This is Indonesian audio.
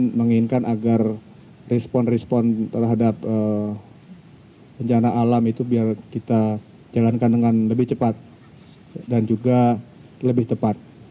kita menginginkan agar respon respon terhadap bencana alam itu biar kita jalankan dengan lebih cepat dan juga lebih tepat